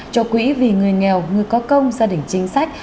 cho quỹ vì người nghèo người có công gia đình chính sách